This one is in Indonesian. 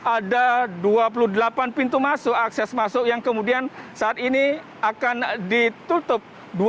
ada dua puluh delapan pintu masuk akses masuk yang kemudian saat ini akan ditutup